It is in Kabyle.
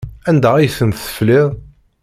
Anda ay ten-tefliḍ?